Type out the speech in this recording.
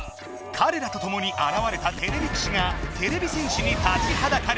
かれらとともにあらわれたてれび騎士がてれび戦士に立ちはだかる。